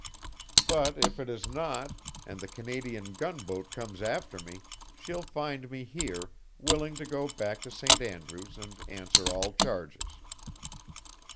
"But if it is not, and the Canadian gunboat comes after me, she'll find me here, willing to go back to St. Andrew's and answer all charges.